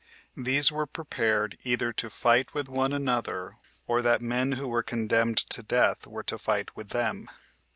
These were prepared either to fight with one another, or that men who were condemned to death were to fight with them.